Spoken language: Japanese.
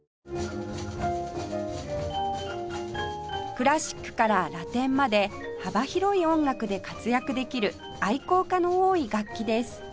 クラシックからラテンまで幅広い音楽で活躍できる愛好家の多い楽器です